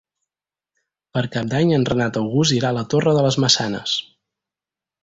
Per Cap d'Any en Renat August irà a la Torre de les Maçanes.